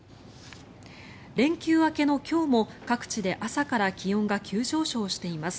連休明けの今日も各地で朝から気温が急上昇しています。